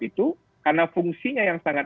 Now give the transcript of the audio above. itu karena fungsinya yang sangat